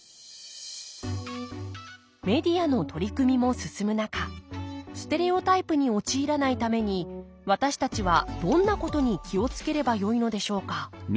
メディアの取り組みも進む中ステレオタイプに陥らないために私たちはどんなことに気を付ければよいのでしょうか？